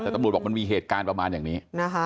แต่ตำรวจบอกมันมีเหตุการณ์ประมาณอย่างนี้